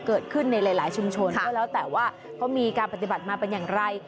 เกิดขึ้นในหลายชุมชนก็แล้วแต่ว่าเขามีการปฏิบัติมาเป็นอย่างไร